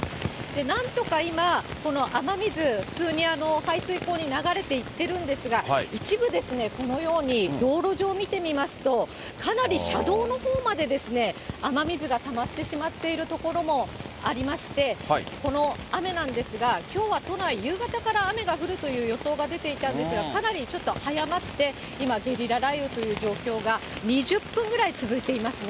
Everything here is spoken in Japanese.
なんとか今、この雨水、普通に排水溝に流れていっているんですが、一部、このように道路上見てみますと、かなり車道のほうまで雨水がたまってしまっている所もありまして、この雨なんですが、きょうは都内、夕方から雨が降るという予想が出ていたんですが、かなりちょっと早まって今、ゲリラ雷雨という状況が２０分ぐらい続いていますね。